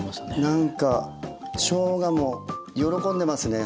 なんかしょうがも喜んでますね